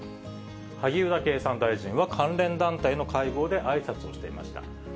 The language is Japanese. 萩生田経産大臣は関連団体の会合であいさつをしていました。